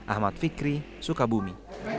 ahmad fikri sukabumi